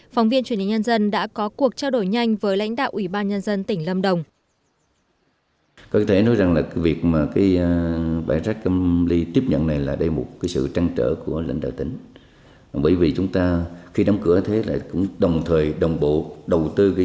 phóng viên truyền hình nhân dân đã có cuộc trao đổi